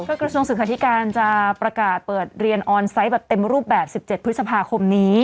กระทรวงศึกษาธิการจะประกาศเปิดเรียนออนไซต์แบบเต็มรูปแบบ๑๗พฤษภาคมนี้